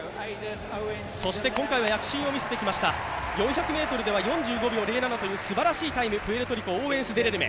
そして今回は躍進を見せてきました、４００ｍでは４５秒０７というすばらしいタイム、プエルトリコ、オーウェンス・デレルメ。